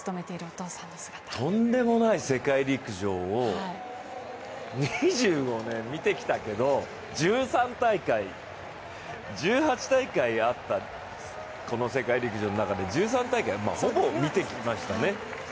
とんでもない世界陸上を２５年見てきたけれども、１８大会あった世界陸上の中で１３大会、ほぼ見てきましたね。